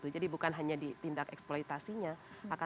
jadi bukan hanya di tindak eksploitasinya